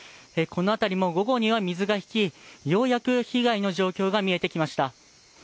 この辺りも午後には水が引き、ようやく被害の状況が見えてきました。